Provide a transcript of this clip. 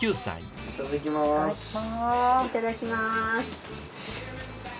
いただきます。